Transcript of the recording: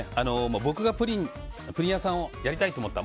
僕がプリン屋さんをやりたいと思って。